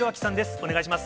お願いします。